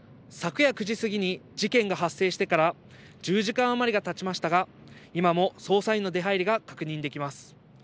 昨夜９時過ぎに事件が発生してから１０時間余りがたちましたが、今も捜査員の出はいりが確認できます。